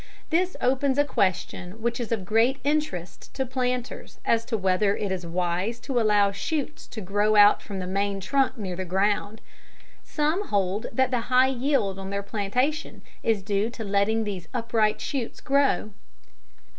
This opens a question which is of great interest to planters as to whether it is wise to allow shoots to grow out from the main trunk near the ground. Some hold that the high yield on their plantation is due to letting these upright shoots grow.